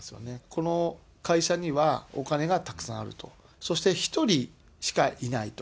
この会社にはお金がたくさんあると、そして１人しかいないと。